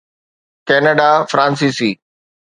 Canada فرانسيسي